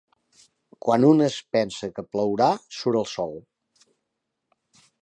Quan un es pensa que plourà, surt el sol.